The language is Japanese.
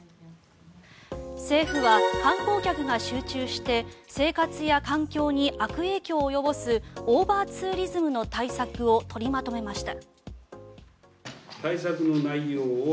政府は観光客が集中して生活や環境に悪影響を及ぼすオーバーツーリズムの対策を取りまとめました。